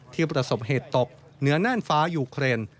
ประสบเหตุตกเหนือน่านฟ้ายูเครน